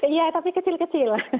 iya tapi kecil kecil